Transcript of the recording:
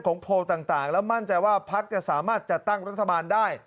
โพลต่างแล้วมั่นใจว่าพักจะสามารถจัดตั้งรัฐบาลได้